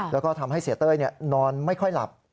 แล้วก็ทำให้เสียเต้ยนอนไม่ค่อยหลับ